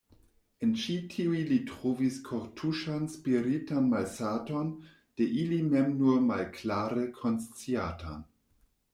En ĉi tiuj li trovis kortuŝan spiritan malsaton, de ili mem nur malklare konsciatan.